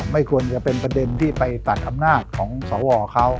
ไม่ควรจะเป็นประเด็นที่ไปตัดอำนาจของสวเขา